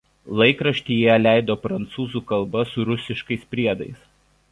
Laikraštį jie leido prancūzų kalba su rusiškais priedais.